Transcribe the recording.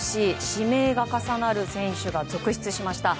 指名が重なる選手が続出しました。